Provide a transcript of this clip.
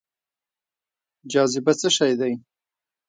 جاذبه څه شی دی؟